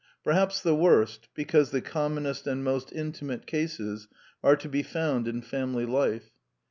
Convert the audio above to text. Perhaps the worst, be cause the commonest and most intimate cases, are to be found in family life.